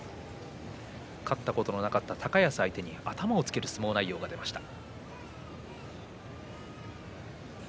勝ったことのなかった高安相手に頭をつける相撲でした。